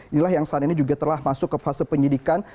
inilah yang saat ini juga telah masuk ke fase penyidikan